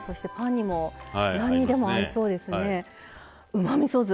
うまみそ酢